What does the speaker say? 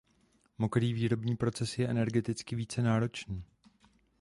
Mokrý výrobní proces je energetický více náročný.